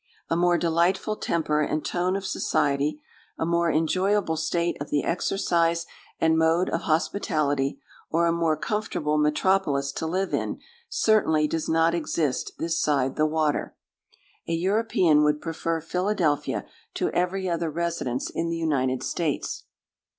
A more delightful temper and tone of society, a more enjoyable state of the exercise and mode of hospitality, or a more comfortable metropolis to live in, certainly does not exist this side the water. A European would prefer Philadelphia to every other residence in the United States.